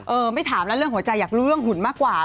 ไม่ถามแล้วเรื่องหัวใจอยากรู้เรื่องหุ่นมากกว่า